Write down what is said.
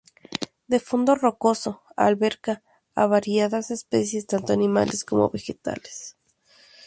De fondo rocoso, alberga a variadas especies tanto animales como vegetales.